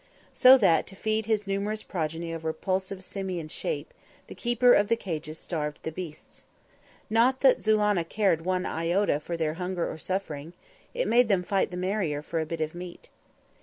So that, to feed his numerous progeny of repulsive simian shape, the keeper of the cages starved the beasts. Not that Zulannah cared one iota for their hunger or suffering; it made them fight the merrier for a bit of meat.